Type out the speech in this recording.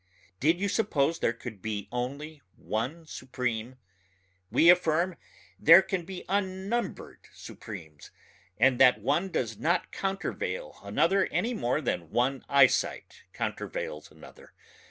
Did you suppose there could be only one Supreme? We affirm there can be unnumbered Supremes, and that one does not countervail another any more than one eyesight countervails another